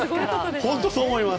本当にそう思います。